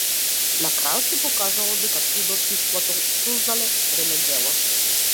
На крајот се покажало дека трудот се исплател создале ремек дело!